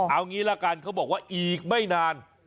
เอางี้ละกันเขาบอกว่าอีกไม่นาน